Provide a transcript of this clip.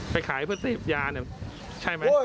ไปขายเพื่อเสพยาเนี่ยใช่ไหม